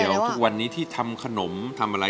เดี๋ยวทุกวันนี้ที่ทำขนมทำอะไร